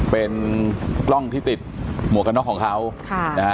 เป็นกล้องที่ติดมวกนอกของเขาค่ะ